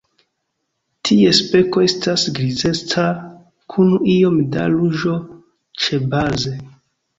Ties beko estas grizeca kun iome da ruĝo ĉebaze.